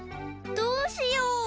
どうしよう？